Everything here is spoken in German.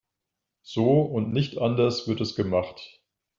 So und nicht anders wird es gemacht.